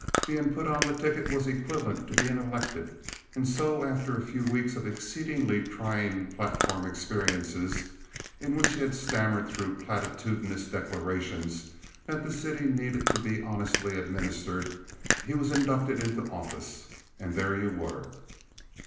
Being put on the ticket was equivalent to being elected, and so, after a few weeks of exceedingly trying platform experiences, in which he had stammered through platitudinous declarations that the city needed to be honestly administered, he was inducted into office; and there you were.